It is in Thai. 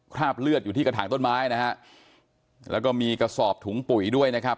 คราบเลือดอยู่ที่กระถางต้นไม้นะฮะแล้วก็มีกระสอบถุงปุ๋ยด้วยนะครับ